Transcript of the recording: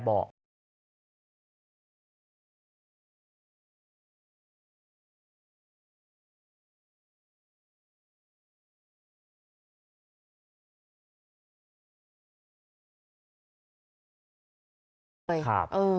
โปรดติดตามต่อไป